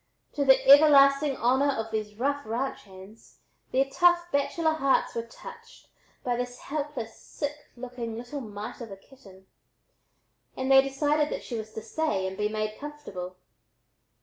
To the everlasting honor of these rough ranch hands, their tough bachelor hearts were touched by this helpless, sick looking little mite of a kitten, and they decided that she was to stay and be made comfortable.